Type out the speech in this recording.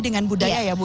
dengan budaya ya bu